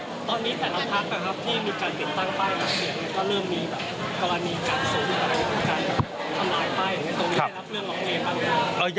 ตอนนี้แต่ละพักที่มีการติดตั้งป้ายหาเสียงก็เรื่องมีกรณีการสูงการทำลายป้ายตรงนี้ได้รับเรื่องร้องเรียนป่ะ